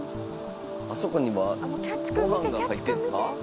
あそこにはご飯が入ってんすか？